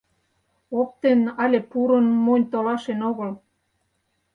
Оптен але пурын монь толашен огыл.